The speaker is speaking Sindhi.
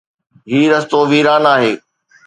هي رستو ويران آهي